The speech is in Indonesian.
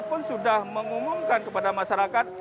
pun sudah mengumumkan kepada masyarakat